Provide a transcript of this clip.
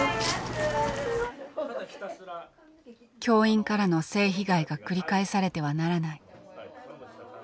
教員からの性被害が繰り返されてはならない。